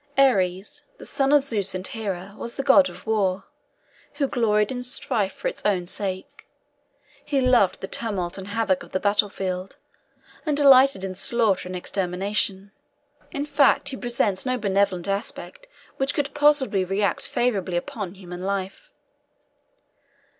Ares, the son of Zeus and Hera, was the god of war, who gloried in strife for its own sake; he loved the tumult and havoc of the battlefield, and delighted in slaughter and extermination; in fact he presents no benevolent aspect which could possibly react favourably upon human life.